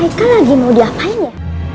itu kan lagi mau diapain ya